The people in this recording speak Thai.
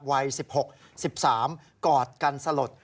วัย๑๖๑๓กอดกันสลด